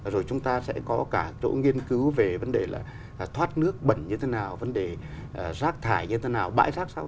rồi chúng ta sẽ có cả chỗ nghiên cứu về vấn đề là thoát nước bẩn như thế nào vấn đề rác thải như thế nào bãi rác sao